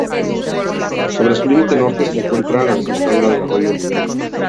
Sobre su límite norte se encuentra la desembocadura del Arroyo Ludueña.